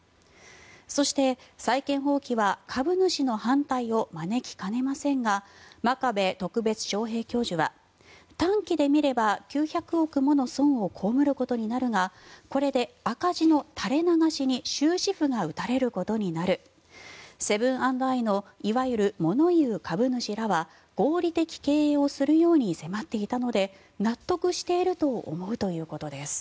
そして、債権放棄は株主の反対を招きかねませんが真壁特別招へい教授は短期で見れば９００億もの損を被ることになるがこれで赤字の垂れ流しに終止符が打たれることになるセブン＆アイのいわゆる物言う株主らは合理的経営をするように迫っていたので納得していると思うということです。